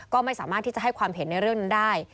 ก็ไม่สามารถที่จะให้ความเห็นในเรื่องนั้นได้